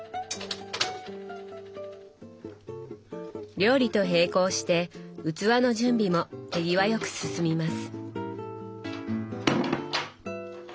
料理と並行して器の準備も手際よく進みます。